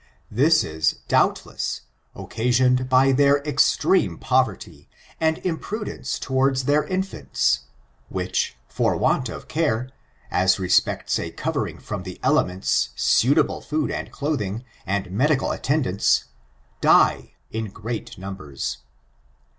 This is, doubtless, occasioned by their extreme poverty, and imprudence toward their infants, which, for want of care, as respects a covering from the elements, suita ble food and clothing, and medical attendance, die in great numbers.